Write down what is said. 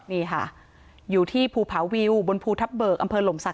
นี่ค่ะอยู่ที่ภูผาวิวบนภูทับเบิกอำเภอหลมศักด